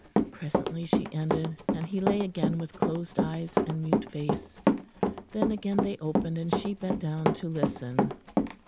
Presently she ended, and he lay again with closed eyes and mute face. Then again they opened, and she bent down to listen....